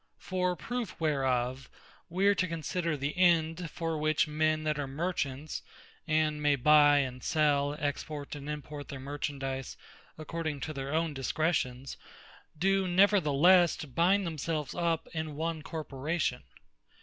For proof whereof, we are to consider the end, for which men that are Merchants, and may buy and sell, export, and import their Merchandise, according to their own discretions, doe neverthelesse bind themselves up in one Corporation.